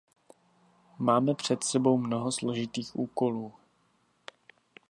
Máme před sebou mnoho složitých úkolů.